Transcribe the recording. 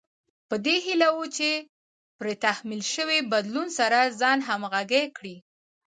په دې هيله وي چې پرې تحمیل شوي بدلون سره ځان همغږی کړي.